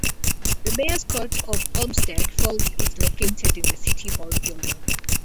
The Mayor's Court of Olmsted Falls is located in the City Hall building.